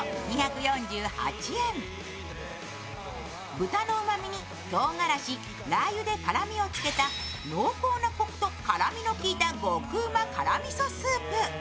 豚のうまみにトウガラシ、ラー油で辛みをつけた濃厚なこくと辛みの効いた極旨辛豚みそスープ。